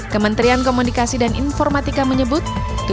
kementerian komunikasi dan informatika menyebut